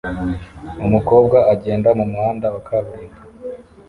umukobwa agenda mumuhanda wa kaburimbo